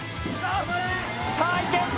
さあいけ！